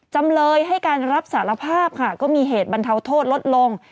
จำเลยให้การรับสารภาพค่ะก็มีเหตุบรรเทาโทษลดลง